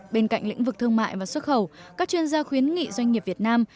bên cạnh lĩnh vực thương mại và xuất khẩu các chuyên gia khuyến nghị doanh nghiệp việt nam